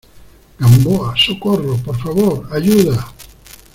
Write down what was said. ¡ Gamboa! ¡ socorro !¡ por favor, ayuda !